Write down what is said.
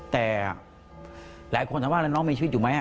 แต่หลายคนถามว่าแล้วน้องมีชีวิตอยู่ไหม